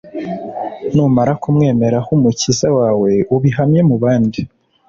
Numara kumwemera ho umukiza wawe ubihamye mu bandi